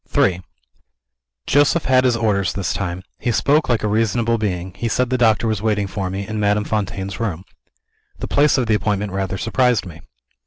III Joseph had his orders, this time. He spoke like a reasonable being he said the doctor was waiting for me, in Madame Fontaine's room. The place of the appointment rather surprised me.